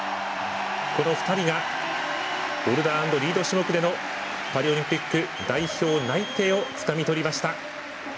この２人がボルダー＆リード種目でのパリオリンピック代表内定をつかみとりました。